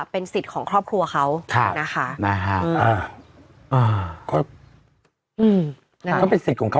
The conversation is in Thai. เป็นสิทธิ์ของครอบครัวเขาค่ะนะฮะอืมอ่าก็อืมนะฮะเขาเป็นสิทธิ์ของเขา